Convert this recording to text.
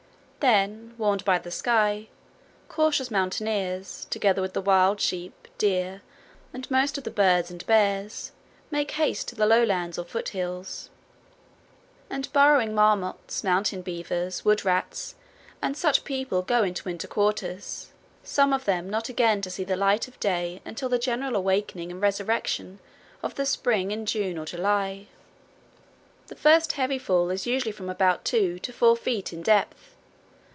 Then, warned by the sky, cautions mountaineers, together with the wild sheep, deer, and most of the birds and bears, make haste to the lowlands or foot hills; and burrowing marmots, mountain beavers, wood rats, and such people go into winter quarters, some of them not again to see the light of day until the general awakening and resurrection of the spring in June or July. The first heavy fall is usually from about two to four feet in depth.